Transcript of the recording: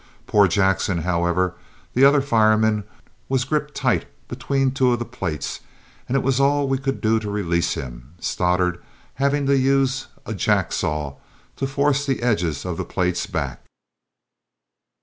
Poor Jackson, however, the other fireman, was gripped tight between two of the plates and it was all we could do to release him, Stoddart having to use a jack saw to force the edges of the plates back."